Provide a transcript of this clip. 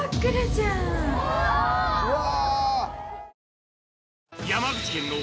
うわ！